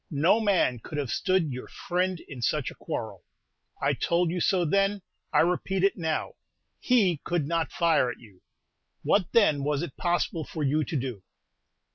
No man could have stood your friend in such a quarrel. I told you so then, I repeat it now, he could not fire at you; what, then, was it possible for you to do?"